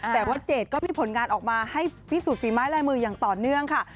แต่ว่าเจดก็มีผลงานออกมาให้พิสูจนฝีไม้ลายมืออย่างต่อเนื่องค่ะ